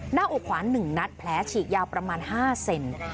หน้าอกขวา๑นัดแผลฉีกยาวประมาณ๕เซน